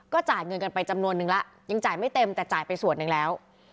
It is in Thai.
จ่ายเงินกันไปจำนวนนึงแล้วยังจ่ายไม่เต็มแต่จ่ายไปส่วนหนึ่งแล้ว